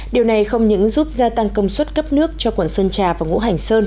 điều này không những giúp gia tăng công suất cấp nước cho quận sơn trà và ngũ hành sơn